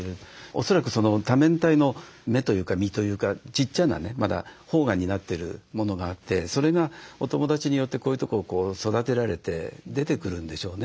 恐らく多面体の芽というか実というかちっちゃなねまだ萌芽になってるものがあってそれがお友だちによってこういうとこを育てられて出てくるんでしょうね。